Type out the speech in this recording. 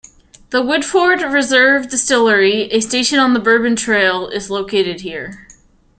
The Woodford Reserve Distillery, a station on the Bourbon Trail, is located here.